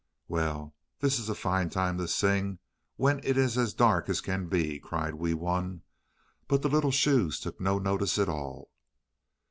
"Well, this is a fine time to sing, when it is as dark as can be!" cried Wee Wun. But the little shoes took no notice at all.